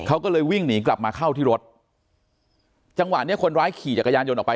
เขาก็เลยวิ่งหนีกลับมาเข้าที่รถจังหวะเนี้ยคนร้ายขี่จักรยานยนต์ออกไป